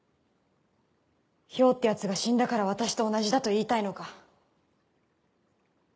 漂って奴が死んだから私と同じだと言いたいのか？